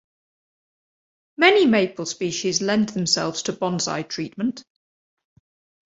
Many maple species lend themselves to bonsai treatment.